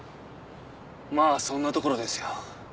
まあそんなところですよ。